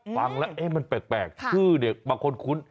ฟังแล้วมันแปลกชื่อเนี่ยบางคนคุ้น